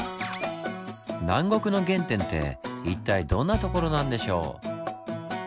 南国の原点って一体どんなところなんでしょう？